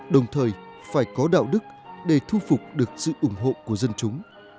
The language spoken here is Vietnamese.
đồng thời phải có đạo đức để thu phục được sự ủng hộ của dân chúng